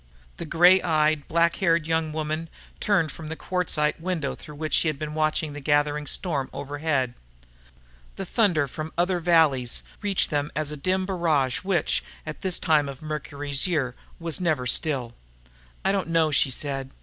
The grey eyed, black haired young woman turned from the quartzite window through which she had been watching the gathering storm overhead. The thunder from other valleys reached them as a dim barrage which, at this time of Mercury's year, was never still. "I don't know," she said.